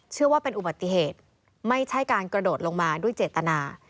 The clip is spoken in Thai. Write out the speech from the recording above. เชื่อว่าเป็นอุบัติเหตุไม่ใช่การกระโดดลงมาด้วยเจตนา